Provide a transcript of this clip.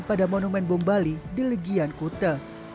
pada monumen bom bali di legian kute